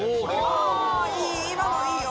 あいい今のいいよ